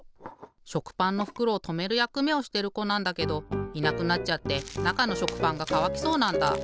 しょくパンのふくろをとめるやくめをしてるこなんだけどいなくなっちゃってなかのしょくパンがかわきそうなんだ。